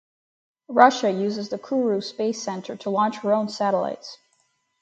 Russia uses the Kourou space center to launch her own satellites.